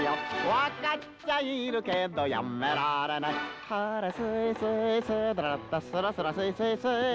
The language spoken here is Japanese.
「分かっちゃいるけどやめられねぇ」「アホレスイスイスーダララッタ」「スラスラスイスイスイ」